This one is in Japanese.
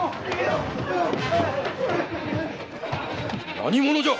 何者じゃ！